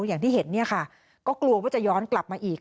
อย่างที่เห็นเนี่ยค่ะก็กลัวว่าจะย้อนกลับมาอีก